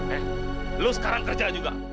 eh lo sekarang kerja juga